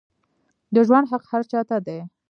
د ژوند حق هر چا ته دی